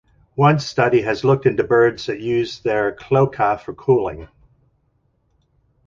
One study has looked into birds that use their cloaca for cooling.